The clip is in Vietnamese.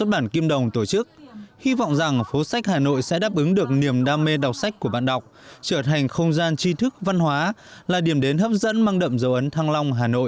và tôi hy vọng rằng là cái mô hình này ngày càng cao